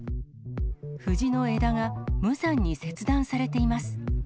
藤の枝が無残に切断されています。